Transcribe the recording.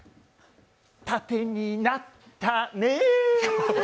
縦になったね。